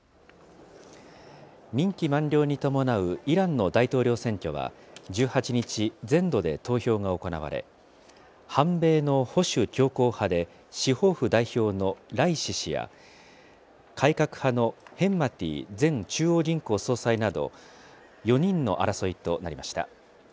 任期満了に伴うイランの大統領選挙は１８日、全土で投票が行われ、反米の保守強硬派で、司法府代表のライシ師や、改革派のヘンマティ前中央銀行総裁など、４人の争いとなりました。